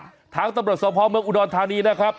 ทางตำรวจสมภาพเมืองอุดรธานีนะครับ